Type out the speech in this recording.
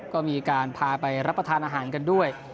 ก็มีการพาไปรับประทานอาหารกันด้วย